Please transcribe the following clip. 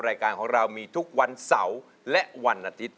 รายการของเรามีทุกวันเสาร์และวันอาทิตย์